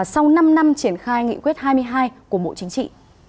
sau năm năm triển khai nghị quyết hai mươi hai của bộ chính trị